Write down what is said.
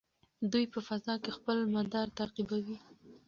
دوی په فضا کې خپل مدار تعقیبوي.